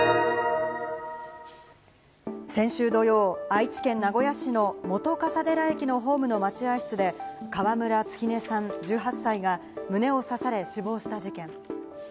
先週土曜、愛知県名古屋市の本笠寺駅のホームの待合室で、川村月音さん１８歳が胸を刺され、死亡した事件。